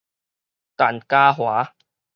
陳嘉樺